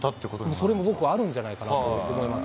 それもあるんじゃないかと思います。